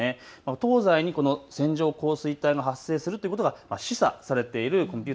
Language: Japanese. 東西に線状降水帯が発生するということが示唆されているんです。